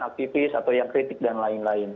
aktivis atau yang kritik dan lain lain